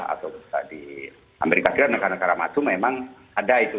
atau di amerika serikat negara negara maju memang ada itu